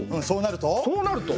そうなると？